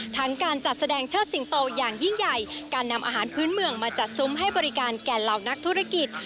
การจัดแสดงเชิดสิงโตอย่างยิ่งใหญ่การนำอาหารพื้นเมืองมาจัดซุ้มให้บริการแก่เหล่านักธุรกิจ